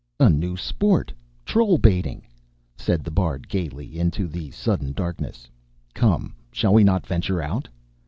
"A new sport trollbaiting," said the bard gaily into the sudden darkness. "Come, shall we not venture out?"